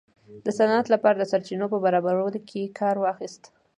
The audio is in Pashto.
د صنعت لپاره د سرچینو په برابرولو کې کار واخیست.